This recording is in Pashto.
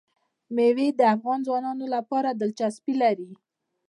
مېوې د افغان ځوانانو لپاره دلچسپي لري.